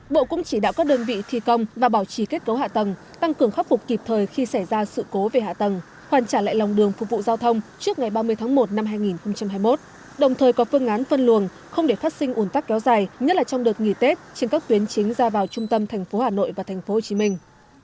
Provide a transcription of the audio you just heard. bộ cũng chỉ đạo các đơn vị thi công và bảo trì kết cấu hạ tầng tăng cường khắc phục kịp thời khi xảy ra sự cố về hạ tầng hoàn trả lại lòng đường phục vụ giao thông trước ngày ba mươi tháng một năm hai nghìn hai mươi một đồng thời có phương án phân luồng không để phát sinh ủn tắc kéo dài nhất là trong đợt nghỉ tết trên các tuyến chính ra vào trung tâm thành phố hà nội và thành phố hồ chí minh